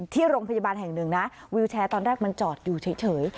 ที่โรงพยาบาลแห่งหนึ่งนะวิวแชร์ตอนแรกมันจอดอยู่เฉย